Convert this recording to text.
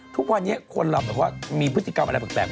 ทุกวันนี้คนเราแบบว่ามีพฤติกรรมอะไรแปลก